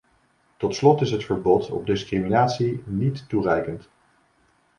Tot slot is het verbod op discriminatie niet toereikend.